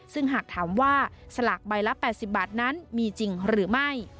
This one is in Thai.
ซึ่งหากถามว่าสลากใบละ๘๐บาทนั้นมีจริงหรือไม่